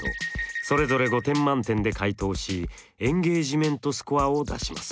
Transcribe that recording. それぞれ５点満点で回答しエンゲージメントスコアを出します。